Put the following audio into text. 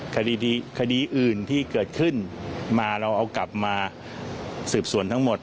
คดีคดีอื่นที่เกิดขึ้นมาเราเอากลับมาสืบสวนทั้งหมด